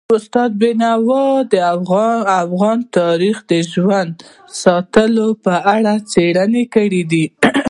استاد بینوا د افغان تاریخ د ژوندي ساتلو لپاره هڅه کړي ده.